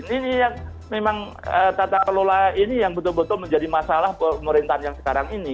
ini yang memang tata kelola ini yang betul betul menjadi masalah pemerintahan yang sekarang ini